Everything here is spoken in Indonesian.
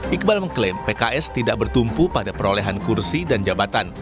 iqbal mengklaim pks tidak bertumpu pada perolehan kursi dan jabatan